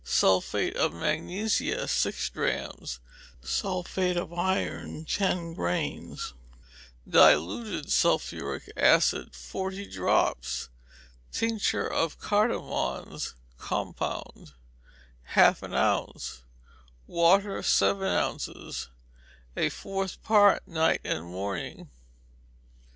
Sulphate of magnesia, six drachms; sulphate of iron, ten grains; diluted sulphuric acid, forty drops; tincture of cardamoms (compound), half an ounce; water, seven ounces: a fourth part night and morning.